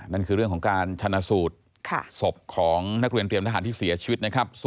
นั่นคือเรื่องของการชนะสูตรศพของนักเรียนเตรียมทหารที่เสียชีวิตนะครับ